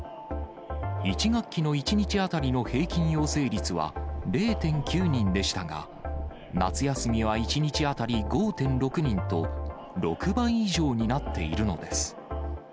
１学期の１日当たりの平均陽性率は０．９人でしたが、夏休みは１日当たり５．６人と、６倍以上になっているのです。